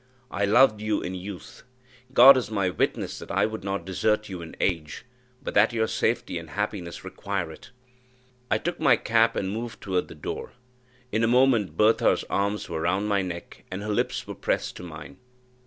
I loved you in youth; God is my witness that I would not desert you in age, but that your safety and happiness require it." I took my cap and moved toward the door; in a moment Bertha's arms were round my neck, and her lips were pressed to mine.